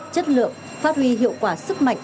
chất lượng phát huy hiệu quả sức mạnh